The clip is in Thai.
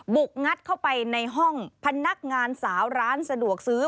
งัดเข้าไปในห้องพนักงานสาวร้านสะดวกซื้อ